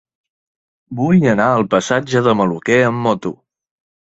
Vull anar al passatge de Maluquer amb moto.